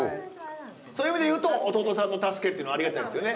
そういう意味でいうと弟さんの助けっていうのはありがたいですよね。